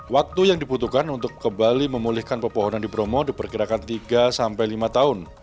waktu yang dibutuhkan untuk kembali memulihkan pepohonan di bromo diperkirakan tiga sampai lima tahun